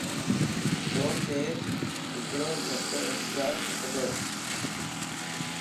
توک ھڪڙو گھنٽو انتظار کپندو